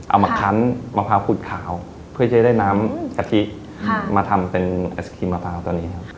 มาคั้นมะพร้าวขุดขาวเพื่อจะได้น้ำกะทิมาทำเป็นไอศครีมมะพร้าวตัวนี้ครับ